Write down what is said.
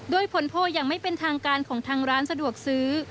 โดยผลโพลยังไม่เป็นทางการของทางร้านสะดวกซื้อ